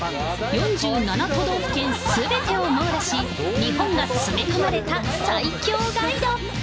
都道府県すべてを網羅し、日本が詰め込まれた最強ガイド。